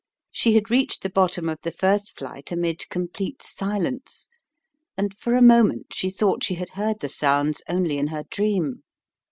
She had reached the bottom of the first flight, amid complete silence, and for a moment she thought she had heard the sounds only in her dream.